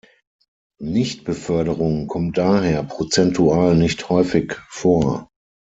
Nichtbeförderung kommt daher prozentual nicht häufig vor.